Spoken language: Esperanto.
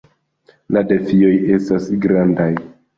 La defioj estas grandaj.